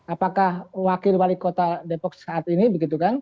apakah wakil wali kota depok saat ini begitu kan